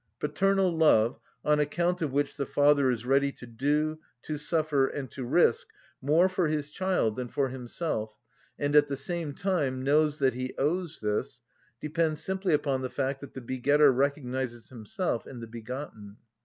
Paternal love, on account of which the father is ready to do, to suffer, and to risk more for his child than for himself, and at the same time knows that he owes this, depends simply upon the fact that the begetter recognises himself in the begotten.